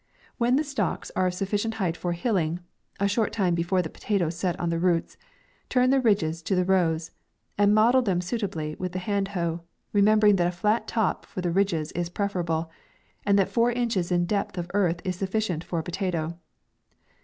When the stalks are of 108 MAY. sufficient height for hilling, a short time be fore the potatoes set on the roots, turn the ridges to the rows, and model them suitably with the hand hoe, remembering that a flat top for the ridges is preferable, and that four inches in depth of earth is sufficient for a po tatoe.